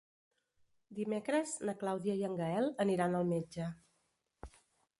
Dimecres na Clàudia i en Gaël aniran al metge.